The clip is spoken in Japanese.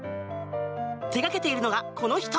手掛けているのがこの人。